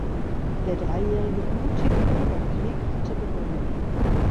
Der dreijährige blutige Bürgerkrieg hatte begonnen.